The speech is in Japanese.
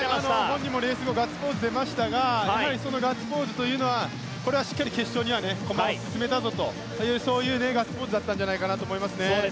本人もレース後ガッツポーズ出ましたがやはりガッツポーズというのはしっかり決勝には駒を進めたぞというそういうガッツポーズだったんじゃないかと思います。